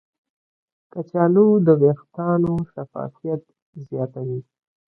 کچالو د ویښتانو شفافیت زیاتوي.